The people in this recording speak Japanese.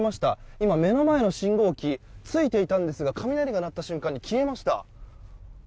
今、目の前の信号機ついていたんですが雷が鳴った瞬間に消えました。